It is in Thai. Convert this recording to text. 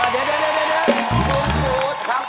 เดี๋ยว